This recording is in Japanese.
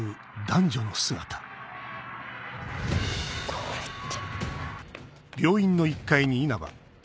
これって。